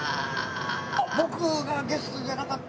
僕がゲストじゃなかったら。